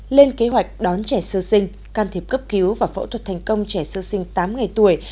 lên kế hoạch đón trẻ sơ sinh can thiệp cấp cứu và phẫu thuật thành công trẻ sơ sinh tám ngày tuổi